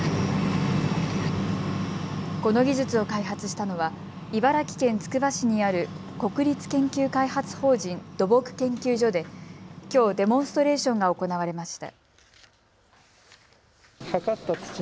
この技術を開発したのは茨城県つくば市にある国立研究開発法人土木研究所できょうデモンストレーションが行われました。